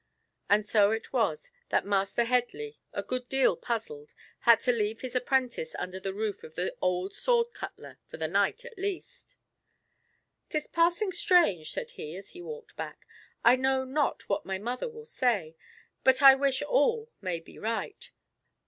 And so it was that Master Headley, a good deal puzzled, had to leave his apprentice under the roof of the old sword cutler for the night at least. "'Tis passing strange," said he, as he walked back; "I know not what my mother will say, but I wish all may be right.